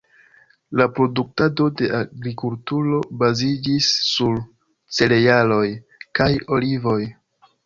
La produktado de agrikulturo baziĝis sur cerealoj kaj olivoj.